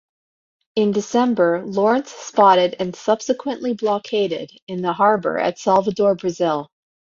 In December, Lawrence spotted and subsequently blockaded, in the harbor at Salvador, Brazil.